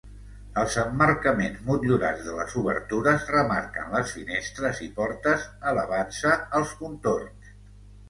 Els emmarcaments motllurats de les obertures remarquen les finestres i portes elevant-se als contorns.